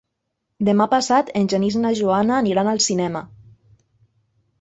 Demà passat en Genís i na Joana aniran al cinema.